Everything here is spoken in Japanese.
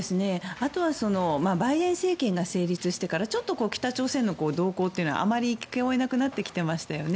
あとはバイデン政権が成立してからちょっと北朝鮮の動向はあまり聞こえなくなってきましたよね。